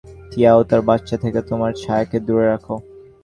টিয়া ও তার বাচ্চা থেকে তোমার ছায়াকে দূরে রাখ।